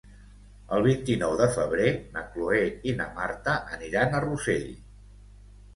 El vint-i-nou de febrer na Cloè i na Marta aniran a Rossell.